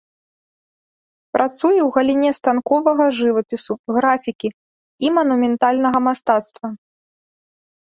Працуе ў галіне станковага жывапісу, графікі і манументальнага мастацтва.